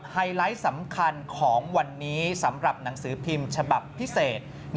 ไฮไลท์สำคัญของวันนี้สำหรับหนังสือพิมพ์ฉบับพิเศษ